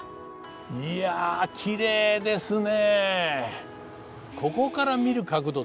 いやきれいですね。